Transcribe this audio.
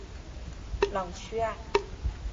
朗屈艾。